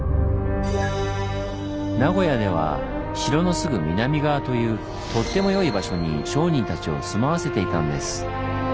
名古屋では城のすぐ南側というとっても良い場所に商人たちを住まわせていたんです。